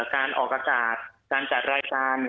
การออกอากาศการจัดรายการ